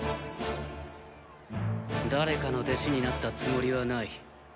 誰かの弟子になったつもりはない。